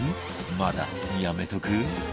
まだやめとく？